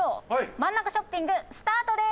真ん中ショッピングスタートです！